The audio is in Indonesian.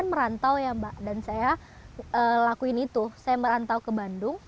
merantau ya mbak dan saya lakuin itu saya merantau ke bandung